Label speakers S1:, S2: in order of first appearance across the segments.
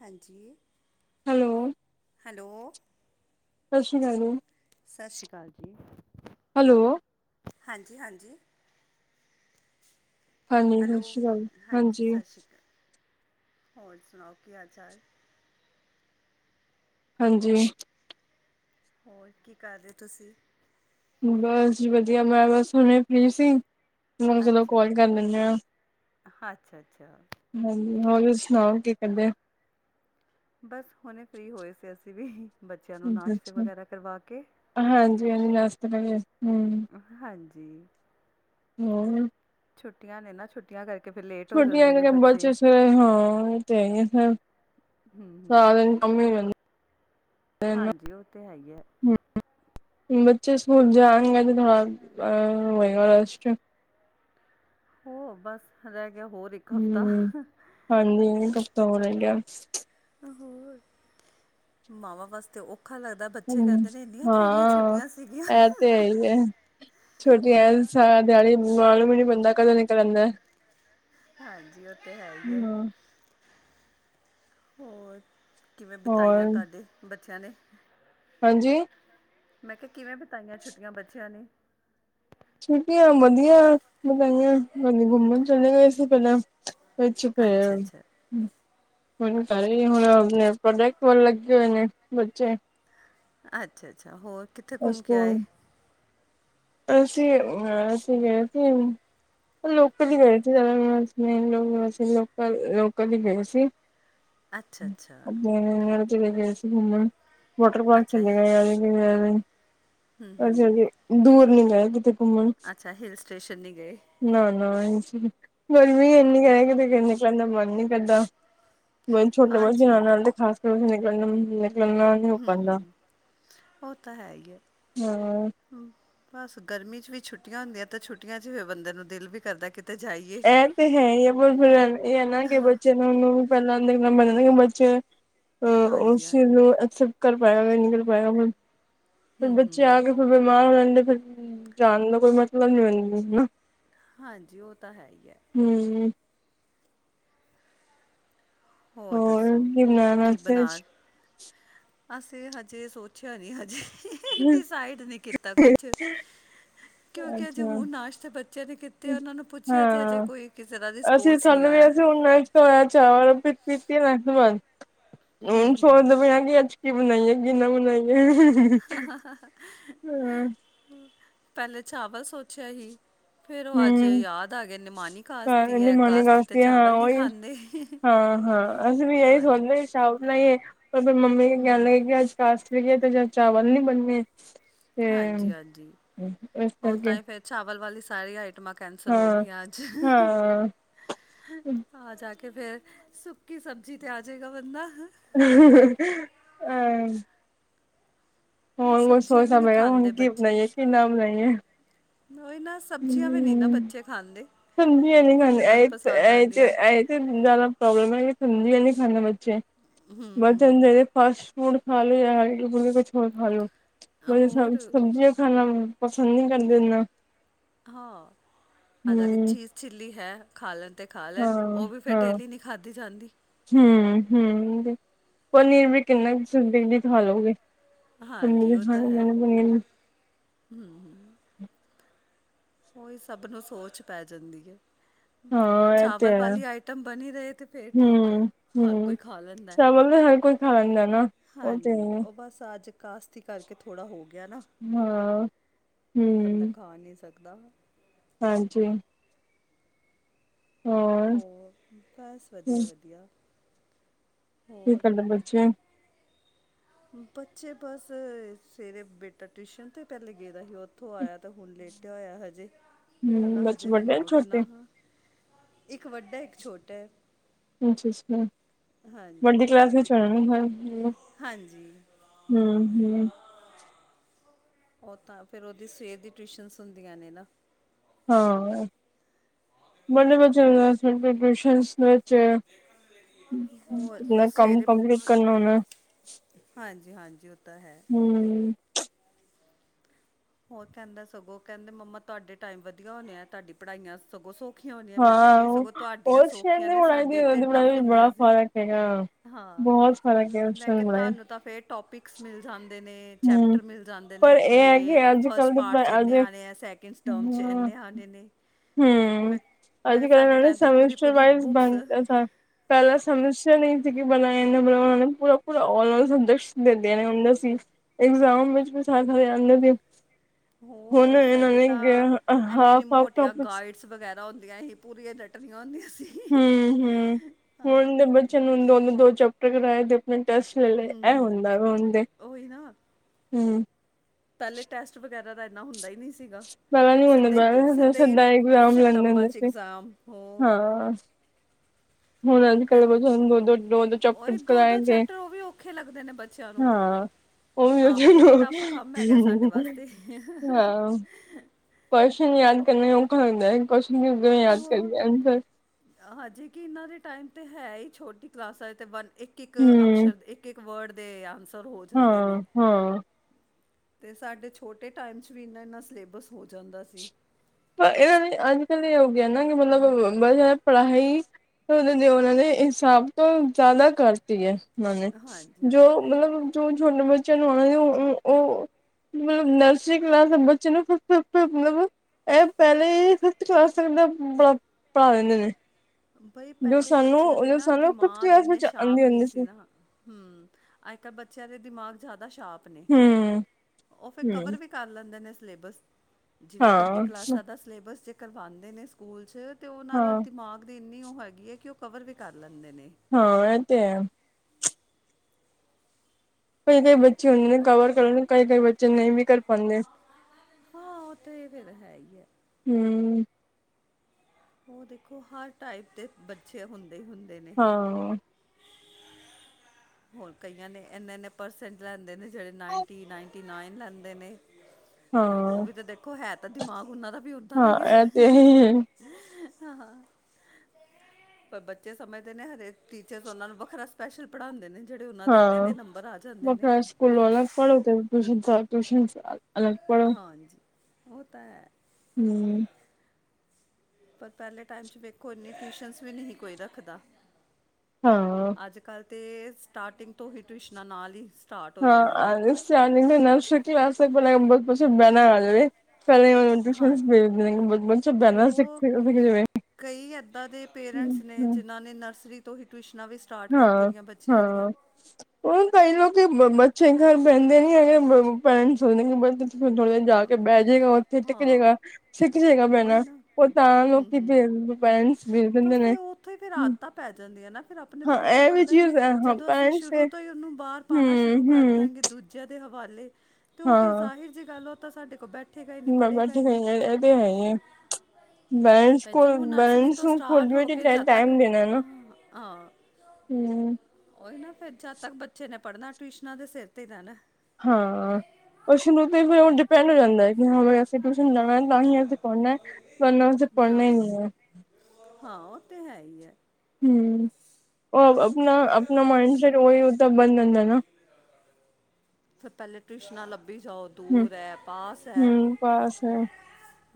S1: ਹਾਂਜੀ,
S2: hello
S1: hello.
S2: ਸਤਿ ਸ਼੍ਰੀ ਅਕਾਲ।
S1: ਸਤਿ ਸ਼੍ਰੀ ਅਕਾਲ ਜੀ,
S2: ਹੈਲੋ
S1: ਹਾਂਜੀ -ਹਾਂਜੀ।
S2: ਹਾਂਜੀ,
S1: ਹੈਲੋ
S2: ਸਤਿ ਸ਼੍ਰੀ ਅਕਾਲ, ਹਾਂਜੀ।
S1: ਸਤਿ ਸ਼੍ਰੀ ਅਕਾਲ ਹੋਰ ਸੁਣਾਓ ਕੀ ਹਾਲ- ਚਾਲ?
S2: ਹਾਂਜੀ।
S1: ਹੋਰ ਕੀ ਕਰਦੇ ਤੁਸੀਂ?
S2: ਬਸ ਜੀ ਵਧੀਆ, ਮੈਂ ਬਸ ਹੁਣੇ ਫ੍ਰੀ ਸੀ। ਮੈਂ ਕਿਹਾ ਚਲੋ
S1: ਅੱਛਾ
S2: ਕਾਲ ਕਰ ਲੈਂਦੇ ਆਂ,
S1: ਅੱਛਾ ਅੱਛਾ ਅੱਛਾ
S2: ਹਾਂਜੀ ਹੋਰ ਸੁਣਾਓ? ਕੀ ਕਰਦੇ ਆ?
S1: ਬਸ ਹੁਣੇ ਫ੍ਰਰੀ ਹੋਏ ਸੀ ਅਸੀਂ ਵੀ ਬੱਚਿਆਂ ਨੂੰ
S2: ਅੱਛਾ
S1: ਨਾਸ਼ਤੇ ਵਗੈਰਾ ਕਰਵਾ ਕੇ
S2: ਜੀ ਨਾਸ਼ਤੇ ਪਾਣੀ ਵਾਸਤੇ
S1: ਹਾਂਜੀ।
S2: ਹਮ।
S1: ਛੁੱਟੀਆਂ ਨੇ ਨਾ, ਛੁੱਟੀਆਂ ਕਰਕੇ। ਫਿਰ ਲੇਟ ਹੋ
S2: ਛੁੱਟੀਆਂ
S1: ਜਾਂਦੇ ਨੇ ਬੱਚੇ
S2: [unintelligible]
S1: ਹੂੰ ਹੂੰ
S2: ਸਾਰਿਆਂ ਨੂੰ [unintelligible]
S1: ਹਾਂਜੀ, ਉਹ ਤੇ ਹੈ ਹੀ ਹੈ।
S2: ਬੱਚੇ ਸਕੂਲ ਜਾਣਗੇ, ਤੇ ਥੋੜਾ ਹੋਏਗਾ ਰੈਸਟ।
S1: [unintelligible] ਹਫ਼ਤਾ
S2: ਹਮ। ਹਾਂਜੀ ਕੀਤਾ [unintelligible]
S1: ਹੋਰ ਮਾਵਾਂ ਵਾਸਤੇ। ਬਸ ਬੱਚੇ
S2: ਹਮ
S1: ਕਹਿੰਦੇ ਨੇ, ਇੰਨੀਆਂ ਥੋੜੀਆਂ
S2: ਹਾਂ
S1: ਛੁੱਟੀਆਂ ਸੀਗੀਆਂ।
S2: ਇਹ ਤੇ ਹੈ ਹੀ ਹੈ [unintelligible]
S1: ਹਾਂਜੀ, ਉਹ ਤੇ ਹੈ ਹੀ ਹੈ
S2: ਹਾਂ
S1: ਹੋਰ? ਕਿਵੇਂ ਬਿਤਾਈਆਂ
S2: ਹੋਰ
S1: ਤੁਹਾਡੇ ਬੱਚਿਆਂ ਨੇ
S2: ਹਾਂਜੀ।
S1: ਮੈਂ ਕਿਹਾ ਕਿਵੇਂ ਬਿਤਾਈਆਂ ਛੁੱਟੀਆਂ ਬੱਚਿਆਂ ਨੇ?
S2: ਛੁੱਟੀਆਂ ਵਧੀਆ ਬਿਤਾਈਆਂ, ਘੁੰਮਣ ਚਲੇ ਗਏ ਸੀ ਪਹਿਲਾਂ। ਵਿੱਚ
S1: ਅੱਛਾ
S2: ਫਿਰ
S1: ਅੱਛਾ
S2: ਹੁਣ ਘਰ ਹੀ ਹੁਣ ਆਪਣੇ ਪ੍ਰੋਜੈਕਟ ਵੱਲ ਲੱਗੇ ਹੋਏ ਨੇ ਬੱਚੇ।
S1: ਅੱਛਾ- ਅੱਛਾ, ਹੋਰ ਕਿੱਥੇ ਘੁੰਮ ਕੇ
S2: ਸਕੂਲ
S1: ਆਏ?
S2: ਅਸੀਂ ਅ ਅਸੀਂ ਗਏ ਸੀ। ਲੋਕਲ ਗਏ ਸੀ ਲੋਕਲ, ਲੋਕਲ ਹੀ ਗਏ ਸੀ।
S1: ਅੱਛਾ ਅੱਛਾ
S2: ਆਪਣੇ ਨੇੜੇ- ਤੇੜੇ ਗਏ ਸੀ ਘੁੰਮਣ। ਵਾਟਰ ਪਾਰਕ ਚੱਲ
S1: ਅੱਛਾ
S2: ਗਏ, ਆਵੇ ਕਿ ਨੇ ਹਾਂਜੀ ਦੂਰ ਨੀ ਗਏ ਕਿਤੇ ਘੁੰਮਣ,
S1: ਅੱਛਾ ਹਿਲ ਸਟੇਸ਼ਨ ਨਹੀਂ ਗਏ
S2: ਨਾ ਨਾ ਇ ਗਰਮੀ ਇੰਨੀ ਹੈ ਕਿਤੇ ਨਿਕਲਣ ਦਾ ਮਨ ਨਹੀਂ ਕਰਦਾ। ਛੋਟੇ
S1: ਹਾਂਜੀ ਉਹ
S2: ਬੱਚਿਆਂ ਨਾਲ
S1: ਹੈ
S2: ਤਾਂ, ਖਾਸ ਕਰ ਨਿਕਲਣ ਨਿਕਲਣਾ ਨਹੀਂ ਹੋ ਪਾਉਂਦਾ।
S1: ਉਹ ਤਾਂ ਹੈ ਹੀ ਹੈ,
S2: ਹਾਂ
S1: ਬਸ ਗਰਮੀ ਚ ਵੀ ਛੁੱਟੀ ਛੁੱਟੀਆਂ ਹੁੰਦੀਆਂ ਤਾਂ ਛੁੱਟੀਆਂ ਚ ਹੀ ਫਿਰ ਬੰਦੇ ਨੂੰ ਦਿਲ ਵੀ ਕਰਦਾ ਕਿਤੇ ਜਾਈਏ
S2: ਇਹ ਤੇ ਹੈ ਹੀ ਹੈ ਬਇਹ ਹੈ ਨਾ ਕਿ ਬੱਚੇ ਨੂੰ ਉਹਨੂੰ ਵੀ ਪਹਿਲਾਂ ਬੱਚ ਅ ਉਹ
S1: ਹਾਂਜੀ ਹਾਂਜੀ
S2: ਸ਼ ਕਰ ਪਾਾਇਗਾ ਨ ਕਰ ਪਾਏਗਾ ਫਿਰ ਫਿਰ ਬੱਚੇ ਆ ਕੇ ਫਿਰ ਬਿਮਾਰ ਹੋਣਗੇ ਫਿਰ ਜਾਣ ਦਾ ਕੋਈ ਮਤਲਬ ਨੀ ਹੁੰਦਾ ਹਨਾ
S1: ਹਾਂਜੀ ਉਹ ਤਾਂ ਹੈ ਹੀ ਹੈ
S2: ਹਮ ਹੋਰ ਕੀ ਬਣਾਣਾ
S1: ਕੀ
S2: ਫੇਰ
S1: ਬਣਾ ਅਸੀਂ ਹਜੇ ਸੋਚਿਆ ਨੀ ਹਜੇ ਡਿਸਾਈਡ ਨਹੀਂ ਕੀਤਾ ਕੁਛ ਕਿਉਂਕਿ ਅਜੇ
S2: ਅੱਛਾ
S1: ਹੁਣ ਨਾਸ਼ਤਾ ਬੱਚਿਆਂ ਨੇਤੇ ਉਹਨਾਂ ਨੂੰ ਪੁੱਛਿਆ ਤੇ ਅਜੇ ਕੋਈ ਕਿਸੇ ਤ ਦਾ ਰਿਸਪੋਂਸ ਨ ਆਇਆ ਹੈ
S2: ਉਨਾਈਸ਼ ਹੋਆ ਚਾ ਰ ਕੀਤੀ ਨਾਮਾਲ ਹੁਣ ਸੋਚਦੇ ਪ ਹ ਕਿ ਅੱਜ ਕੀ ਬਣਾਈਏ ਕੀ ਨਾ ਬਣਾਈਏ [inaudible] ਹਾਂ
S1: ਪਹਿਲੇ ਚਾਵਲ ਸੋਚਿਆ ਸੀ ਫੇਰ ਉਹ ਅੱਜ
S2: ਹੂੰ
S1: ਯਾਦ ਆ ਗਏ ਨਿਮਾਨੀ ਕਾਸ਼ਤੀ
S2: ਇੰਨੀ
S1: ਹੈ
S2: ਮੋਰਨਿੰਗ
S1: ਕਾਸ਼ਤੀ ਤੇ
S2: ਵਾਸਤੇ ਹਾਂ
S1: ਚਾਵਲ ਨੀ
S2: ਉਹੀ
S1: ਖਾਂਦੇ
S2: ਹਾਂ ਹਾਂ ਅਸੀਂ ਵੀ ਇਹੀ
S1: ਹਾਂਜੀ
S2: ਸੋਚਦੇ ਸ਼ਪਣਾ ਹੀਏ ਪਰਿਰ ਮੰਮੀ ਕਹਿਣ ਲੱਗੇ ਕਿ ਅੱਜ ਕਾਸਰੀ ਤੇ ਚ ਚਾਵਲ ਨੀ ਬਣਨੇ
S1: ਹਾਂਜੀ
S2: ਤੇ
S1: ਹਾਂਜੀ
S2: ਇਸ
S1: ਉਹ ਤਾਂ
S2: ਕਰਕੇ
S1: ਹੀ ਫੇਿਰ ਚਾਵਲ ਵਾਲੀ ਸਾਰ ਆਈਟਮਾਂ ਕੈਂਸਲ ਹੋ
S2: ਹਾਂ
S1: ਗਈਆਂ ਅੱਜ
S2: ਹਾਂ
S1: ਆ ਜਾ ਕਿ ਫਿਰ ਸੁੱਕੀ ਸਬਜ਼ੀ 'ਤੇ ਆ ਜਾਵੇਗਾ ਬੰਦਾ
S2: ਹਮ
S1: ਸਬਜ਼ੀਆਂ ਵੀ ਨਹੀਂ ਖਾਂਦੇ
S2: [inaudible]
S1: ਉਹ ਨਾ ਸਬਜ਼ੀਆਂ ਵੀ ਨੀ ਨਾ ਬੱਚੇ ਖਾਂਦੇ
S2: ਸਮਝ
S1: ਉਹ
S2: ਨਹੀਂ
S1: ਵੀ
S2: ਖਾਣੀ
S1: ਉਹਨਾਂ ਨੂੰ
S2: ਤੇ
S1: ਪਸੰਦ ਆਉਂਦੀਆਂ
S2: ਇਹ ਤੇ ਜ਼ਿਆਦਾ ਪ੍ਰੋਬਲਮ ਹੈ ਹੁੰਦੀਆਂ ਨਹੀਂ ਖਾਂਦੇ ਬੱਚੇ ਬਸਦੇਦੇ ਫਸ ਫੂਟ ਖਾ ਲਓ ਕੁਛ ਹੋਰ ਖਾ ਲਓ
S1: ਹੋਰ
S2: ਸਬਜ਼ੀਆਂ ਖਾਣਾ ਪਸੰਦ ਨਹੀਂ ਕਰਦੇ ਇਨਾ
S1: ਹਾਂ ਆ ਜਾ ਕੇ
S2: ਹਮ
S1: ਚੀਜ਼ ਚਛਿੱਲੀ ਹੈ ਖਾ ਲੈਣ ਤੇ ਖਾ ਲੈਣ
S2: ਹਾਂ
S1: ਉਹ ਵੀ ਫੇਰ
S2: ਹਾਂ
S1: ਡੇਲੀ ਨੀ ਖਾਧਦੀ ਜਾਂਦੀ
S2: ਹਮ ਹਮ ਪਨੀਰ ਵੀ ਕਿੰਨਾ ਕੁ ਤੁਸੀ ਬ ਖਾ ਲਓਗੇ ਹਰ
S1: ਹਾਂਜੀ
S2: ਮਨ ਬਣ
S1: ਹਮ ਹਮ
S2: ਹਮ
S1: ਉਹੀ ਸਭ ਨੂੰ ਸੋਚ ਪੈ ਜਾਂਦੀ ਹੈ
S2: ਹਾਂ ਇਹ ਤੇ
S1: ਚਾਵਲ
S2: ਹੈ
S1: ਵਾਲੀ ਆਈਟਮ ਬਣੀ ਰਹੇ ਤੇ ਫੇਿਰ ਠੀਕ ਹੈ ਹਰ ਕੋਈ ਖਾ ਲੈਂਦਾ
S2: ਮਤਲਬ ਹਰ ਕੋਈ ਖਾ ਲੈਂਦਾ ਨਾ ਉਹ ਤੇ
S1: ਹਾਂਜੀ
S2: ਹੈ
S1: ਉਹ ਬਸ ਅੱਜ ਕਾਸਤੀ ਕਰਕੇ ਥੋੜ੍ਹਾ ਹੋ ਗਿਆ ਨਾ
S2: ਹਾਂ ਹਮ
S1: ਅਦਾ
S2: ਹਾਂਜੀ
S1: ਹੋਰ ਬਸ ਵਧੀਆ ਵਧੀਆ
S2: ਕੀ ਕਰਦੇ
S1: ਹੋਰ
S2: ਬੱਚੇ
S1: ਬੱਚੇ ਬਸ ਸਵੇਰੇ ਬੇਟਾ ਟਿਊਸ਼ਨ ਤੇ ਪਹਿਲੇ ਗਏਦਾ ਸੀ ਉੱਥੋਂ ਆਇਆ ਤੇ ਹੁਣ ਲ ਹੋਇਆ ਹਜੇ
S2: ਹੂੰ,
S1: ਕਹਿੰਦਾ
S2: ਬੱਚੇ
S1: ਹਜੇ ਨੀ
S2: ਵੱਡੇ
S1: ਮੈਂ
S2: ਨੇ ਛੋਟੇ?
S1: ਉੱਠਦਾ ਹਾਂ ਇੱਕ ਵੱਡਾ ਇੱਕ ਛੋਟਾ ਹੈ
S2: ਅੱਛਾ ਅੱਛਾ
S1: ਹਾਂਜੀ
S2: ਵਲਡੀ
S1: ਹਾਂਜੀ
S2: ਕਲਾਸ ਵਿੱਚ ਹਮ ਹਮ
S1: ਹਾਂਜੀ ਉਹ ਤਾਂ ਫੇਰ ਉਹਦੀ ਸਵੇਰ ਦੀ ਟਿਊਸ਼ਨ ਹੁੰਦੀਆਂ ਨੇ ਨਾ
S2: ਹਾਂ ਬਡੇ ਬੱਚਿਆਂ
S1: ਉਹ
S2: ਨੂੰ ਅਛ
S1: ਹੋਰ ਉਹ
S2: ਕੰਮ
S1: ਸਵੇਰੇ
S2: ਕੰਮਪਲੀਟ ਕਰਨਾ ਉਹਨੇ
S1: ਜੀ ਹਾਂਜੀ ਉਹ ਤਾਂ ਹੈ ਹੋਰ ਕਹਿੰਦਾ ਸਗੋਂ ਕਹਿੰਦੇ ਮੰਮਾ ਤੁਹਾਡੇ ਟਾਈਮ ਵਧੀਆ ਹੋਣੇ ਤੁਹਾਡੀ ਪੜ੍ਹਾਈਆਂ ਸਗੋਂ ਸ
S2: ਹਾਂ ਉਹ ਸ਼ਹਿਰ ਨੇ ਬਣਾਈ ਦੀ,
S1: ਸਾਡੀ
S2: ਉਹ
S1: ਤੇ
S2: ਦੀ ਬਣਾਈ
S1: ਟਫ
S2: ਵਿੱਚ ਬੜਾ
S1: ਹੁੰਦੀਆਂ ਸੀ
S2: ਫ਼ਰਕ ਹੈਗਾ
S1: ਹਾਂ,
S2: ਬਹੁਤ ਫ਼ਰਕ ਹੈ ਉਸ
S1: ਮੈਂ
S2: ਟਾਈਮ ਦੀ
S1: ਕਿਹਾ
S2: ਪੜ੍ਹਾਈ
S1: ਤੁਹਾਨੂੰ ਤਾਂ ਫੇਰ ਟੋਪਿਕਸ ਮਿਲ ਜਾਂਦੇ ਨੇ,
S2: ਹੂੰ,
S1: ਚੈਪਟਰ ਮਿਲ ਜਾਂਦੇ ਨੇ,
S2: ਪਰ
S1: ਕਿ
S2: ਹੈ
S1: ਇਹ
S2: ਅੱਜ-ਕੱਲ
S1: ਫਸਟ
S2: ਦੀ
S1: ਪਾਰਟ ਚ
S2: ਪੜ੍ਹਾਈ
S1: ਇੰਨੇ
S2: ਅੱਜ
S1: ਆਣੇ ਆ, ਸੈਕਿੰਡ ਟਰਮ ਚ ਇੰਨੇ ਆਉਦੇ ਨੇ
S2: ਹੂ
S1: ਮੈਂ ਮੈਂ
S2: ਅਜ
S1: ਕਿਹਾ
S2: ਕਲ
S1: ਸਾਡੇ
S2: ਏਨਾਨੇ
S1: ਟਾਈਮ ਤਾਂ ਪੂਰੀ
S2: ਸਮਿਸਟਰ
S1: ਪੂਰੀ
S2: ਵਾਈਜ਼
S1: ਬੁੱਕਸ
S2: ਬ ਪਹਿਲਾਂ ਸਮੈਸਟਰ ਨਹੀਂ ਸੀ। ਬਣਾਨਾ ਨੀ ਬਨਾਣਾ, ਪੂਰਾ ਪੂਰਾ ਐੱਲ ਸਬਜੈਕਟ ਦੇ ਦੇਣੇ ਹੁੰਦਾ
S1: ਹਾਂਜੀ
S2: ਸੀ ਇਗਜ਼ਾਮ ਵਿੱਚ ਵੀ ਸਾਰੇ ਸਾਰੇ ਆਂਦੇ ਨੇ ਹੁਣ
S1: ਹੋ
S2: ਇਹਨਾਂ
S1: ਸਾਡੇ ਤਾਂ ਇਨੀ ਇਨੀ
S2: ਹਾਫ-ਹਾਫ
S1: ਮੋਟੀਆਂ
S2: ਟੋਪਿਕਸ
S1: ਗਾਈਡਸ ਵਗੈਰਾ ਹੁੰਦੀਆਂ ਸੀ, ਪੂਰੀਆਂ ਟਟਦੀਆਂ ਔਦੀਆਂ ਸੀ
S2: ਹੂ ਹੂ
S1: ਹਾਂ
S2: ਹੁਣ ਦੇ ਬੱਚੇ ਨੂੰ ਦੋਨੋ ਦੋ ਚੈਪਟਰ ਕਰਵਾਏ ਤੇ ਇਨਟ੍ਰਸ੍ਟ ਲੈ ਲੇ,
S1: ਹੂੰ
S2: ਇਹ
S1: ਹੂੰ
S2: ਹੁੰਦਾ ਵੈ ਹੁਣ ਦੇ।
S1: ਉਹੀ ਨਾ ਪਹਿਲੇ ਟੈਸਟ ਵਗੈਰਾ ਦਾ, ਇੰਨਾ ਹੁੰਦਾ ਹੀ ਨਹੀਂ ਸੀ।
S2: ਪਤਾ ਨੀ ਹੁੰਦਾ ਸੀ, ਬਸ ਸਿੱਧਾ ਇਗਜ਼ਾਮ ਲੈ
S1: ਸੈਪਟੰਬਰ
S2: ਲੈਂਦੇ
S1: 'ਚ
S2: ਸੀ।
S1: ਇਗਜ਼ਾਮ ਹੋ
S2: [unintelligible] ਹੁਣ ਅੱਜ
S1: ਤੇ
S2: ਕੱਲ੍ਹ ਬੱਚਿਆਂ ਨੂੰ ਦੋ-ਦੋ, ਦੋ-ਦੋ ਚੈਪਟਰ
S1: ਔਹੀ ਦੋ
S2: ਕਰਾਏ
S1: ਦੋ
S2: ਤੇ
S1: ਚੈਪਟਰ, ਔ ਵੀ ਔਖੇ ਲੱਗਦੇ ਨੇ ਬੱਚਿਆਂ ਨੂੰ।
S2: ਹਾਂ ਉਹ
S1: ਕਿ ਹਾਂ ਬਈ ਇਹ ਵੀ
S2: ਚਲੋ
S1: ਟੱਫ ਕੰਮ ਹੈਗਾ, ਸਾਡੇ ਵਾਸਤੇ
S2: ਕਵਸ਼ਨ ਯਾਦ ਕਰਨਾ ਹੀ ਔਖਾ ਹੋਂਦਾ, ਕਵਸ਼ਨ ਹੀ ਹੁਣ ਯਾਦ ਕਰੇ ਯਾ ਆਂਸਰ।
S1: ਹਾਂਜੀ ਕਿ ਇਹਨਾਂ ਦੇ ਟਾਈਮ ਤੇ ਹੈ ਹੀ, ਛੋਟੀ ਕਲਾਸਾਂ ਤੇ ਵ ਇੱਕ ਇੱਕ
S2: ਹੂੰ
S1: ਅਕਸ਼ਰ, ਇੱਕ ਇੱਕ ਵਰਡ ਦੇ ਆਸ
S2: ਹਾਂ ਹਾਂ
S1: ਤੇ ਸਾਡੇ ਛੋਟੇ ਟਾਈਮ ਚ ਵੀ, ਇਨਾ ਇੰਨਾ ਸਿਲੇਬਸ ਹੋ ਜਾਂਦਾ ਸੀ।
S2: ਪਰ ਇਹਨਾਂ ਅੱਜ ਕੱਲ੍ਹ ਇਹ ਹੋ ਗਿਆ ਨਾ ਕਿ ਮਤਲਬ ਬ ਪੜਾਈ ਉਹ ਉਹਨਾਂ ਨੇ ਹਿਸਾਬ ਤੋਂ ਜ਼ਿਆਦਾ ਕਰਤੀ ਹੈ। ਮ
S1: ਹਾਂਜੀ
S2: ਜੋ
S1: ਹਾਂਜੀ
S2: ਮਤਲਬ ਜੋ ਛੋਟ ਬੱਚ [inaudible] ਚਲੋ ਹੁਣ ਵੀ ਔ, ਮਤਲਬ ਨਰਸਰੀ ਕਲਾਸ ਦੇ ਬੱਚੇ ਨੂੰ, ਫਿਰ ਨਰਵਸ ਇਹ ਪਹਿਲੇ ਫਿਫਥ ਕਲਾਸ ਤਕ ਦਾ ਪੜ੍ਹਾ ਦਿੰਦੇ ਨੇ।
S1: ਬਈ
S2: ਜੋ
S1: ਪਹਿਲੇ
S2: ਸਾਨੂੰ
S1: ਬੱਚਿਆਂ ਦੇ
S2: ਜੋ
S1: ਨਾ
S2: ਸਾਨੂੰ ਫਿਫਥ
S1: ਦਿਮਾਗ
S2: ਕਲਾਸ
S1: ਇੰਨੇ
S2: ਵਿੱਚ ਆਂਦੀ
S1: ਸ਼ਾਰਪ ਨਹੀਂ
S2: ਹੁੰਦੀ
S1: ਸੀ ਨਾ, ਹੂ ਅੱਜ ਕੱਲ ਬੱਚਿਆਂ ਦੇ ਦਿਮਾਗ ਜ਼ਿਆਦਾ ਸ਼ਾਰਪ ਨੇ,
S2: ਹੂੰ,
S1: ਉਹ ਫਿਰ ਕਵਰ
S2: ਹੂੰ
S1: ਵੀ ਕਰ ਲੈਂਦੇ ਨੇ ਸਿਲੇਬਸ। ਜਿਵੇਂ ਵੱਡੀ
S2: ਹਾਂ,
S1: ਕਲਾਸਾਂ ਦਾ ਸਿਲੇਬਸ ਜੇ ਕਰਵਾਉਂਦੇ ਨੇ ਸਕੂਲ ਚ, ਤੇ ਉਹਨਾਂ ਦਾ
S2: ਹਾਂ,
S1: ਦਿਮਾਗ ਇੰਨੀ ਉਹ ਹੈਗੀ ਹੈ, ਕਿ ਉਹ ਕਵਰ ਵੀ ਕਰ ਲ
S2: ਹਾਂ ਇਹ ਤੇ ਹੈ ਕਈ ਕਈ ਬੱਚੇ ਹੁੰਦੇ ਨੇ ਕਵਰ ਕਰਨ ਲਈ, ਕਈ ਕਈ ਬੱਚੇ ਨਹੀਂ ਵੀ ਕਰ ਪਾਉਂਦੇ।
S1: ਹਾਂ ਉਹ ਤੇ ਇਹ ਫੇਰ ਹੈ ਹੀ ਆ
S2: ਹੂੰ,
S1: ਉਹ ਦੇਖੋ, ਹਰ ਟਾਈਪ ਦੇ ਬੱਚੇ ਹੁੰਦੇ ਹੀ ਹੁੰਦੇ ਨੇ।
S2: ਹਾਂ।
S1: ਹੋਰ ਕਈਆਂ ਨੇ ਇੰਨੇ ਇੰਨੇ ਪਰਸੈਂਟ ਲੈਂਦੇ ਨੇ, ਜਿਹੜੇ ਨਾਈਨਟੀ ਨਾਈਨਟੀ ਨਾਈਨ ਲੈਂਦੇ ਨੇ। ਔ
S2: ਹਾਂ,
S1: ਵੀ ਤਾਂ ਦੇਖੋ, ਹੈ ਤਾਂ ਦਿਮਾਗ ਉਹਨਾਂ ਦਾ। ਦਾ ਤਾਂ
S2: ਹਾਂ
S1: ਹੀ
S2: ਇਹ ਤੇ ਹੈ
S1: ਹਾਂ ਪਰ ਬੱਚੇ ਸਮਝਦੇ ਨੇ, ਹਰੇਕ ਟੀਚਰ ਉਹਨਾਂ ਨੂੰ ਵੱਖਰਾ ਸਪੈਸ਼ਲ ਪੜਾਉਂਦੇ ਨੇ। ਜਿਹੜੇ ਉਹਨਾਂ ਦੇ ਇੰਨੇ
S2: ਹਾਂ
S1: ਇੰਨੇ ਨੰਬਰ ਆ ਜਾਂਦੇ
S2: ਬਸ
S1: ਨੇ
S2: ਐਸ ਸਕੂਲ ਵਾਲਾ, ਪੜਦੇ ਨੇ ਟਊਸ਼ਨ ਚ, ਟਿਊਸ਼ਨ ਚ ਅਲੱਗ ਪੜੋ
S1: ਹੋਤਾ ਹੈ
S2: ਹੂ
S1: ਪਰ ਪਹਲੇ ਟਾਈਮ 'ਚ ਵੇਖੋ, ਇੰਨੀ ਟਿਊਸ਼ਨਸ ਵੀ ਨਹੀਂ ਸੀ ਕੋਈ ਰਖਦਾ।
S2: ਹਾਂ
S1: ਅਤੇ ਸਟਾਰਟਿੰਗ ਤੋਂ ਹੀ ਟਿਊਸ਼ਨਾਂ ਨਾਲ ਹੀ ਸਟਾਰਟ ਹੋ ਜਾਂਦੀਆਂ
S2: ਹਾਂ ਨਸਰੀ ਕਲਾਸ ਪ ਬ ਪਸ਼ ਬੈਨੀ [inaudible] ਪਹਿਲਾਂ ਉਹ ਟੀਯੂਸ਼ਨ
S1: ਹਾਂ
S2: ਚ ਭੇਜ ਦੇਯਾਗੀ, ਬਹਿਣਾ ਸਿੱਖ ਜਾਵੇਂ।
S1: ਔਨਾਦੇ ਪੇਰੈਂਟਸ ਨੇ, ਜਿਨ੍ਹਾਂ ਨੇ ਨਰਸਰੀ ਤੋਂ ਹੀ ਟਿਊਸ਼ਨਾਂ ਵੀ ਸਟਾਰਟ ਕਰਤੀ
S2: ਹਾਂ
S1: ਦੀਆਂ ਬੱਚਿਆਂ ਦੀਆਂ
S2: ਹਾਂ ਉਹ ਕਈ ਲੋਕ ਬੱਚੇ ਘਰ ਬਹਿੰਦੇ ਨੀ ਹੈਗੇ ਪੇਰੈਂਟਸ ਹੁੰਦੇ ਥੋੜੇ ਦਿਨ ਜਾ ਕੇ ਬਹਿ ਜਾਏਗਾ ਉੱਥੇ ਟਿੱਿਕ ਜਾਏਗਾ
S1: ਹਾਂ
S2: ਸਿੱਕ ਜਾਏਗਾ
S1: ਉਹੀ
S2: ਬਹਿਣਾ
S1: ਨਾ
S2: ਉਹ ਤਾਂ ਲੋਕ
S1: ਹੂੰ ਹੂੰ ਬਸ ਉੱਥੇ ਫ ਰਾਤਾਂ ਪੈ ਜਾਂਦੀਆਂ ਨਾ ਫਿਰ ਆਪਣੀ ਤੋਂ
S2: ਹਾਂ
S1: ਬੱਚਾ
S2: ਇਹ ਵੀ
S1: ਪੜ੍ਹਦਾ ਹੀ
S2: ਚੀਜ਼
S1: ਨੀ
S2: ਹੈ ਹਾਂ
S1: ਜਦੋਂ ਅਸੀਂ
S2: ਪੈਰੈਂਟਸ
S1: ਸ਼ੁਰੂ ਤੋਂ ਹੀ ਉਹਨੂੰ ਬਾਹਰ ਪਾਉਣਾ ਸ਼ੁਰੂ
S2: ਹਮ
S1: ਕਰ
S2: ਹਮ
S1: ਦਵਾਂਗੇ ਦੂਜੇ ਦੇ ਹ ੇ ਤੇ ਉਹ ਫਿਰ ਜ਼ਾਹਿਰ ਜੀ ਗੱਲ ਉਹ ਤਾਂ ਸਾਡੇ ਕੋਲ ਬੈਠੇ
S2: ਮ ਬੈਠੇ ਇਹ ਤੇ ਹੈ ਬੈਂਸ
S1: ਫਿਰ
S2: ਕੋਲ
S1: ਜੂ ਨਰਸਰੀ
S2: ਬੈਂਸ
S1: ਤੋਂ
S2: ਨੂੰ
S1: ਸਟਾਰਟ
S2: ਖੁਲ
S1: ਹੋ
S2: ਤੇ
S1: ਕੇ
S2: ਚ
S1: ਜਦ ਤੱਕ
S2: ਟਾਈਮ ਦੇਣਾ ਨਾ
S1: ਹਾਂ ਹਾਂ
S2: ਹਮ
S1: ਉਹੀ ਨਾ ਫਿਰ ਜਦ ਤੱਕ ਬੱਚੇ ਨੇ ਪੜ੍ਹਨਾ ਟਿਊਸ਼ਨਾਂ ਦੇ ਸਿਰ ਤੇ ਤਾਂ ਨਾ
S2: ਹਾਂ ਸ਼ੁਰੂ ਤੋਂ ਹੀ ਡਿਪੈਂਡ ਹੋ ਜਾਂਦਾ ਹੈ ਹ ਟਿਸ਼ਨ ਲਣਾ ਤਾਂ ਹੀ ਅ ਕਰਉਨਾ ਪਨਾੇ ਪੜ੍ਹਨਾ ਹੀ ਨਹੀਂ
S1: ਹਾਂਜੀ
S2: ਹੈ
S1: ਹਾਂ ਉਹ ਤੇ ਹੈ ਹੀ ਹੈ
S2: ਹਮ ਉਹ ਆਪਣਾ ਆਪਣਾ ਮਾਈਡ ਸੇਟ ਉਹੀ ਉਹ ਤਾਂ ਬਣ ਜਾਂਦਾ ਨਾ [inaudible]
S1: [unintelligible] ਬ
S2: ਹਮ
S1: ਦੂਰ ਹੈ ਪਾਸ ਹੈ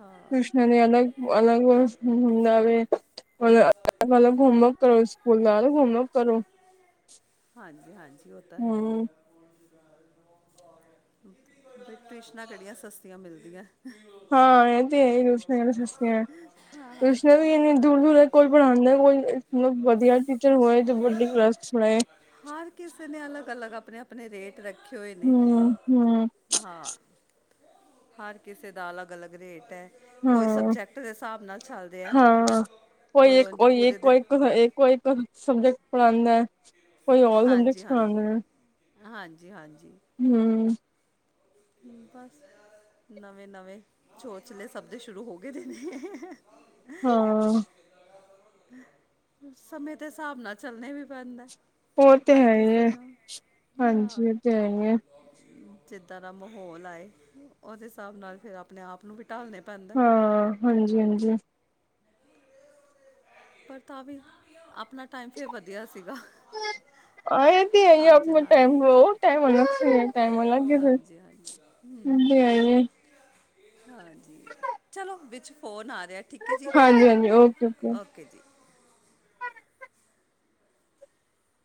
S1: ਹਾਂ
S2: ਟਉਸ਼ਨਾ ਨੇ ਅਲਗ ਅਲਗ ਹਮ ਹੁੰਦਾਵੇਤਲਬ ਮਲ ਘੁੰਮਵਰਕ ਕਰੋ ਸਕੂਲ ਦਾ ਘੁਮਵਰ ਕਰੋ
S1: ਹਾਂਜੀ ਹਾਂਜੀ ਉਹ ਤਾਂ ਹੈ ਹੀ
S2: ਹਮ
S1: ਹੈ ਟਿਊਸ਼ਨਾਂ ਕਿਹੜੀਆਂ ਸਸਤੀਆਂ ਮਿਲਦੀਆਂ
S2: ਹਾਂ ਇਹ ਤੇ ਇਹ ਰੋਸ਼ ਸਸਤੇ ਹੈ ਨੇ ਵੀ ਇੰਨੀ ਦੂਰ ਦੂਰ ਕੋਈ ਪੜ੍ਹਉਂਦਾ ਕੋਈ ਮਤਲਬ ਵਧੀਆ [unintelligible] ਹੋਏ ਤਾਂ ਬਡ ਰਸ ਪੇ
S1: ਆਪਣੇ ਆਪਣੇ ਰੇਟ ਰੱਖ
S2: ਹਮ ਹਮ
S1: ਹਾਂ ਹਰ ਕਿਸੇ ਦਾ ਅਲੱਗ ਅਲੱਗ ਰੇਟ ਹੈ ਕੋਈ
S2: ਹਾਂ
S1: ਸਬਜੈਕਟ ਦੇ ਹਿਸਾਬ ਨਾਲ ਚੱਲਦੇ ਹੈ
S2: ਕੋਈਏ
S1: ਉਂਝ
S2: ਕੋਈ ਇੱਕ
S1: ਪੂਰੇ ਦੇ
S2: ਕੋਈ ਕੋਈ ਸਬਜੈਕਟ ਪੜ੍ਹਉਦਾ ਹੈ ਕੋਈ ਲ ਸਬਜੈਕਟ
S1: ਹਾਂਜੀ
S2: ਸਿਖਾਉਦਾ
S1: ਹਾਂਜੀ
S2: ਹੈ
S1: ਹਾਂਜੀ ਹਾਂਜੀ
S2: ਹਮ
S1: ਬਸ ਨਵੇਂ ਨਵੇਂ ਛੋਚਲੇ ਸਬਦੇ ਸ਼ੁਰੂ ਹੋ ਗਏ ਦੇ ਨੇ
S2: ਹਾਂ
S1: ਸਮੇਂ ਦੇ ਹਿਸਾਬ ਨਾਲ ਚੱਲਣੇ ਵੀ ਪੈਂਦਾ
S2: ਉਹ ਤੇ
S1: ਹਰ
S2: ਹੈ
S1: ਕਿਸੇ
S2: ਹੈ
S1: ਨੂੰ ਹਾਂ
S2: ਹਾਂਜੀ ਉਹ ਤੇ ਹੈ ਹੈ
S1: ਜਿੱਦਾਂ ਦਾ ਮਾਹੌਲ ਆਏ ਉਹਦੇ ਹਿਸਾਬ ਨਾਲ ਫਿਰ ਆਪਣੇ ਆਪ ਨੂੰ ਵੀ ਢਾਲਣੇ ਪੈਂਦਾ
S2: ਹਾਂ ਹਾਂਜੀ ਹਾਂਜੀ
S1: ਪਰ ਤਾਂ ਵੀ ਆਪਣਾ ਟਾਈਮ ਫਿਰ ਵਧੀਆ ਸੀਗਾ
S2: ਹਾਂ ਇਹ ਹੈ
S1: ਅੱਜ
S2: ਆਪਣੇ
S1: ਨਾਲੋਂ
S2: ਟਾਈਮ ਟਾਈਮ ਅਲੱ ਸੀ ਟਾਈਮ ਅਲੱਗ ਫਿਰ
S1: ਹਾਂਜੀ ਹਾਂਜੀ
S2: ਜੀ ਆਏ
S1: ਹਾਂਜੀ ਚਲੋ ਵਿੱਚ ਫੋਨ ਆ ਰਿਹਾ ਠੀਕ ਹੈ ਜੀ
S2: ਹਾਂਜੀ ਹਾਂਜੀ ਓਕੇ ਓਕੇ
S1: [inaudible]